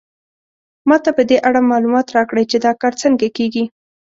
ما ته په دې اړه معلومات راکړئ چې دا کار څنګه کیږي